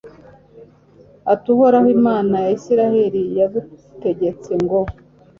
ati uhoraho, imana ya israheli, yagutegetse ngo